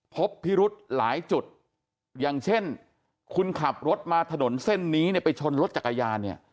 พบพิรุธหลายจุดอย่างเช่นคุณขับรถมาถนนเส้นนี้เนี่ยไปชนรถจักรยานเนี่ย